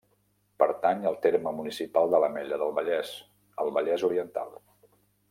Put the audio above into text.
Pertany al terme municipal de l'Ametlla del Vallès, al Vallès Oriental.